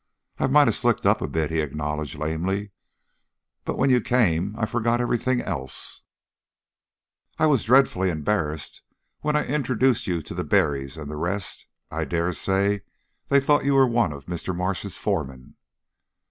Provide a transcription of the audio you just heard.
"I might have slicked up a bit," he acknowledged, lamely; "but when you came, I forgot everything else." "I was dreadfully embarrassed when I introduced you to the Berrys and the rest. I dare say they thought you were one of Mr. Marsh's foremen."